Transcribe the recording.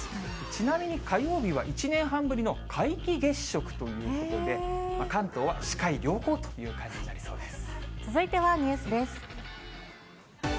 ちなみに火曜日は１年半ぶりの皆既月食ということで、関東は視界良好という感じになりそうです。